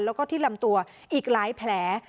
แล้วก็ที่ลำตัวอีกหลายแผล